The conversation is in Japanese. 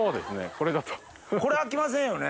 これあきませんよね